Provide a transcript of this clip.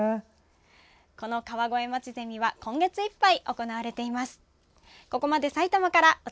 この川越まちゼミは今月いっぱい行われています。